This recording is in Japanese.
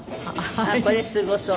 あっこれすごそう。